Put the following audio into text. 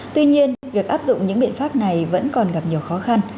tuy nhiên việc áp dụng những biện pháp này vẫn còn gặp nhiều khó khăn